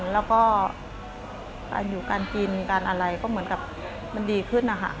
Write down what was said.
แล้วก็การอยู่การกินการอะไรก็เหมือนกับมันดีขึ้นนะคะ